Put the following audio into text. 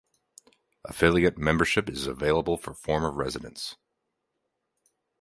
Affiliate membership is available for former residents.